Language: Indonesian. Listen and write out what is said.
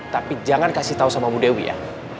tapi jangan kasih tau sama mbak dewi ya